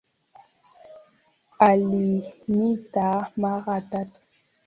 Aliniita mara tatu.